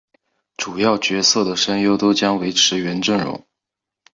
主要角色的声优都将维持原阵容。